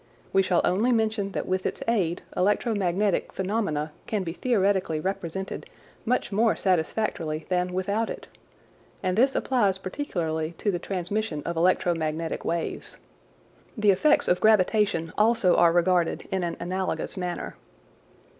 We shall only mention that with its aid electromagnetic phenomena can be theoretically represented much more satisfactorily than without it, and this applies particularly to the transmission of electromagnetic waves. The effects of gravitation also are regarded in an analogous manner.